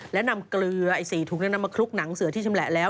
และนำเกลือ๔ถุงนำมาคลุกหนังเสือที่ชำแหละแล้ว